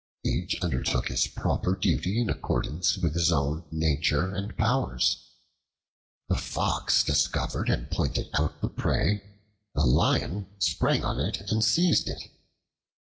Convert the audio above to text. Each undertook his proper duty in accordance with his own nature and powers. The Fox discovered and pointed out the prey; the Lion sprang on it and seized it.